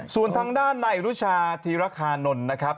ส่วนทางด้านในรุชาธีรคานนท์นะครับ